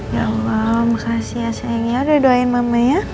ya allah makasih ya sayangnya udah doain mama ya